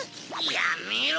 やめろ！